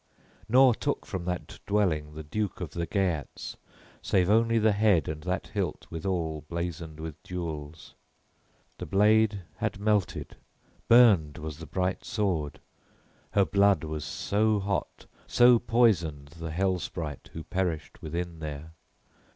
Nor took from that dwelling the duke of the Geats save only the head and that hilt withal blazoned with jewels: the blade had melted, burned was the bright sword, her blood was so hot, so poisoned the hell sprite who perished within there.